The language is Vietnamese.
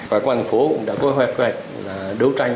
và quảng phố cũng đã có hoạt đấu tranh